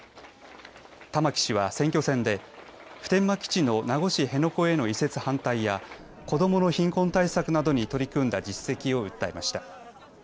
玉城氏は選挙戦で普天間基地の名護市辺野古への移設反対や子どもの貧困対策などに取り組んだ実績を訴えました。